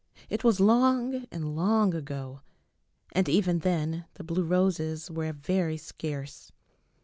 It was long and long ago, and even then the blue roses were very scarce.